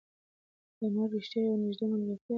ایا مرګ رښتیا یوه نږدې ملګرتیا ده؟